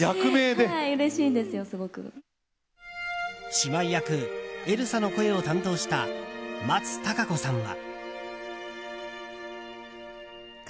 姉妹役エルサの声を担当した松たか子さんは。